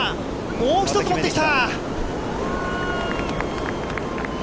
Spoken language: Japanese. もう１つ持ってきた。